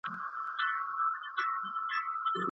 انلاين تدريس زده کوونکو ته د ټکنالوژۍ وسايلو کار زده کړه ورکړ.